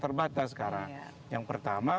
terbatas sekarang yang pertama